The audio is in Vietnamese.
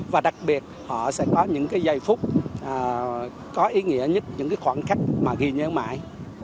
và đặc biệt họ sẽ có những cái giây phút có ý nghĩa nhất những cái khoảng cách mà ghi nhớ mãi